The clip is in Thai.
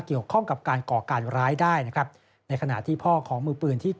เกี่ยวข้องกับการก่อการร้ายได้นะครับในขณะที่พ่อของมือปืนที่